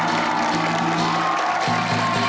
เสาคำยันอาวุธิ